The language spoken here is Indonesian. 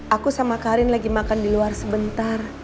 aku sama karin lagi makan di luar sebentar